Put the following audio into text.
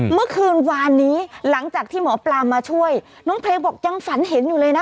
เมื่อวานนี้หลังจากที่หมอปลามาช่วยน้องเพลงบอกยังฝันเห็นอยู่เลยนะ